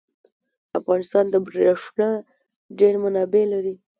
افغانستان د بریښنا ډیر منابع لري.